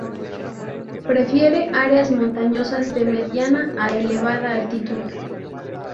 Prefiere áreas montañosas de mediana a elevada altitud.